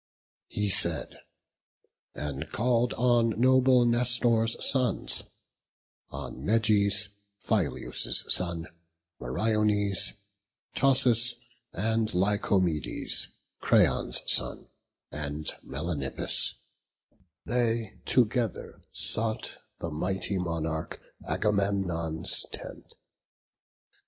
He said, and call'd on noble Nestor's sons, On Meges, Phyleus' son, Meriones, Thoas, and Lycomedes, Creon's son, And Melanippus; they together sought The mighty monarch Agamemnon's tent.